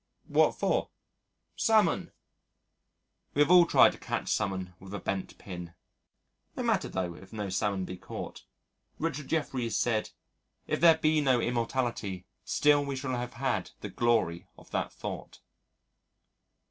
"What for?" "Salmon." We have all tried to catch salmon with a bent pin. No matter though if no salmon be caught. Richard Jefferies said, "If there be no immortality still we shall have had the glory of that thought."